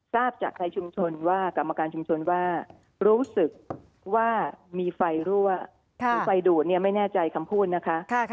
ทราบจากในชุมชนว่ากรรมการชุมชนว่ารู้สึกว่ามีไฟรั่วที่ไฟดูดไม่แน่ใจคำพูดนะคะ